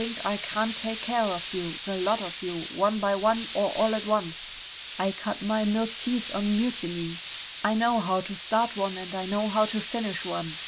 "Don't think I can't take care of you, the lot of you, one by one or all at once. I cut my milk teeth on mutiny. I know how to start one and I know how to finish one!